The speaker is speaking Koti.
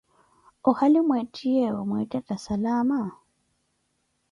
ohali mwettiyeewo mweettetta salama?